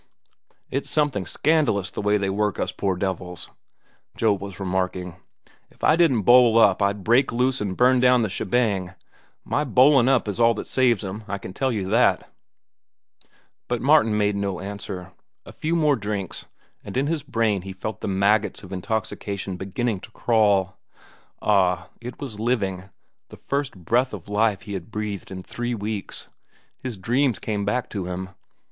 "It's something scandalous the way they work us poor devils," Joe was remarking. "If I didn't bowl up, I'd break loose an' burn down the shebang. My bowlin' up is all that saves 'em, I can tell you that." But Martin made no answer. A few more drinks, and in his brain he felt the maggots of intoxication beginning to crawl. Ah, it was living, the first breath of life he had breathed in three weeks. His dreams came back to him.